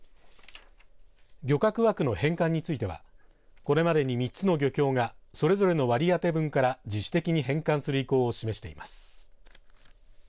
漁獲枠の返還についてはこれまでに３つの漁協がそれぞれの割り当て分から自主的に返還する意向を示しています。